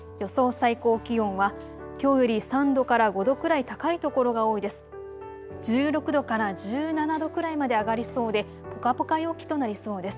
最高気温はきょうより３度から５度くらい高い所が多いです。